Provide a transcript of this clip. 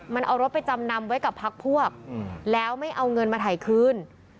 มันเอารถไปจำนำไว้กับพักพวกแล้วไม่เอาเงินมาถ่ายคืน